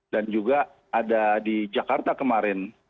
dan juga ada di jakarta kemarin